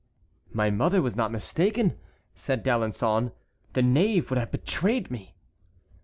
"My mother was not mistaken," said D'Alençon "the knave would have betrayed me."